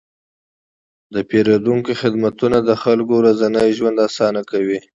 د پیرودونکو خدمتونه د خلکو ورځنی ژوند اسانه کوي.